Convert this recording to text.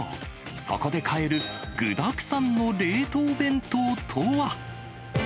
そこで買える具だくさんの冷凍弁当とは？